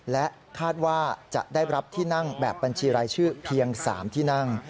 และคาดว่าจะได้รับที่นั่งแบบบัญชีรายชื่อเพียง๓ที่นั่ง